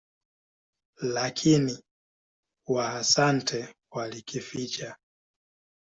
Lakini Waasante walikificha.